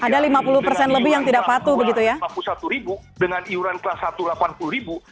dengan iuran rp empat puluh satu dengan iuran kelas satu rp delapan puluh